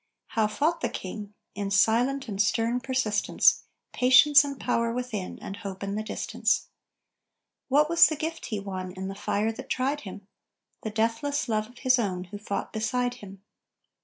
How fought the King? In silent and stern persistence; Patience and power within, and hope in the distance. What was the gift he won, in the fire that tried him? The deathless love of his own, who fought beside him.